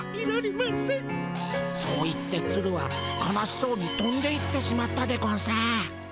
そう言ってツルは悲しそうにとんでいってしまったでゴンス。